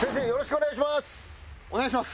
お願いします。